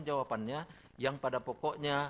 jawabannya yang pada pokoknya